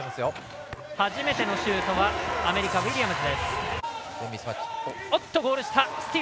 初めてのシュートはアメリカ、ウィリアムズ。